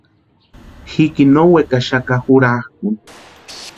Jikini no wekaxaka jurakʼuni.